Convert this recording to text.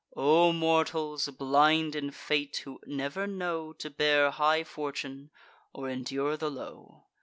O mortals, blind in fate, who never know To bear high fortune, or endure the low!